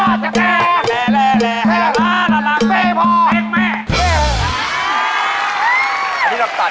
มันจับอยู่ยอดสักแกแหละแหละแหละละละละไม่พอ